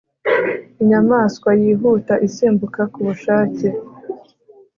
Inyamaswa yihuta isimbuka kubushake